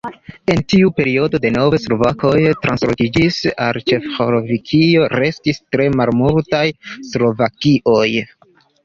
En tiu periodo denove slovakoj translokiĝis al Ĉeĥoslovakio, restis tre malmultaj slovakoj.